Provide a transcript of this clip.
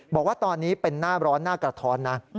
บอกว่าตอนนี้เป็นหน้าร้อนหน้ากระท้อนนะ